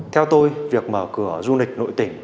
theo tôi việc mở cửa du lịch nội tỉnh